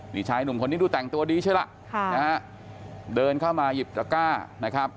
นี่ชายหนุ่มคนนี้ดูแต่งตัวดีใช่ล่ะค่ะนะฮะเดินเข้ามาหยิบตระก้านะครับ